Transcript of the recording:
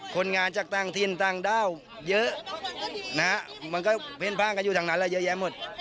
คนงานจากต่างถิ่นต่างด้าวเยอะนะฮะมันก็เพ่นพ่างกันอยู่ทางนั้นแล้วเยอะแยะหมด